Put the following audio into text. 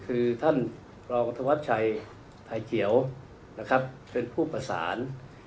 คือท่านรองธวัชชัยไทยเกี่ยวเป็นผู้ประสาน